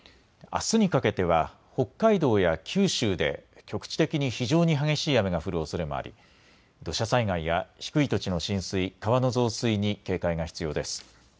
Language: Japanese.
あすにかけては北海道や九州で局地的に非常に激しい雨が降るおそれもあり土砂災害や低い土地の浸水、川の増水に警戒が必要です。